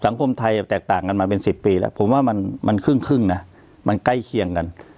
สังคมไทยแตกต่างกันมาเป็น๑๐ปีแล้วผมว่ามันครึ่งนะมันใกล้เคียงกัน